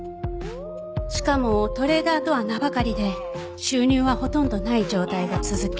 しかもトレーダーとは名ばかりで収入はほとんどない状態が続き。